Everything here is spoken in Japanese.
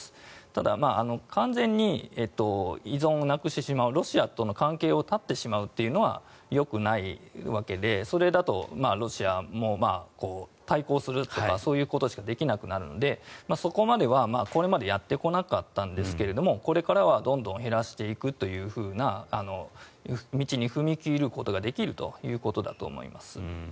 ただ、完全に依存をなくしてしまうロシアとの関係を断ってしまうというのはよくないわけでそれだとロシアも対抗するとか、そういうことしかできなくなるのでそこまでは、これまでやってこなかったんですがこれからはどんどん減らしていくというような道に踏み切ることができるということだと思います。